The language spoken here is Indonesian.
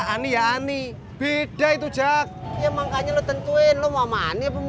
ani ani beda itu jack emang kayaknya lu tentuin lu mama ani apa mama citra lagianku juga nggak